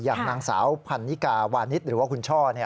อย่างนางสาวพันนิกาวานิสหรือว่าคุณช่อ